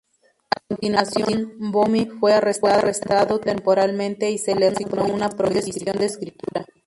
A continuación, Böhme fue arrestado temporalmente y se le asignó una prohibición de escritura.